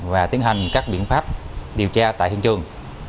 và tiến hành các biện pháp điều tra tại hiện trường